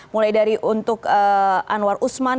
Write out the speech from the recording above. mulai dari untuk anwar usman